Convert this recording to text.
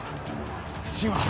信は？